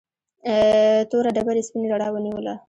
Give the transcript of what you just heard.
توره ډبره سپینې رڼا ونیوله.